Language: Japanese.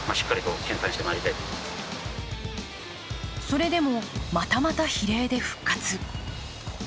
それでもまたまた比例で復活。